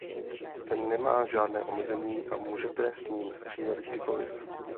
Ten nemá žádné omezení a můžete s ním střílet kdykoliv.